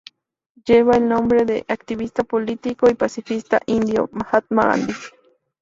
Lleva el nombre del activista político y pacifista indio, Mahatma Gandhi.